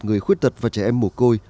người khuyết tật và trẻ em mô côi